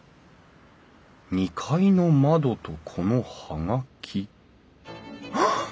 ２階の窓とこの葉書はあ！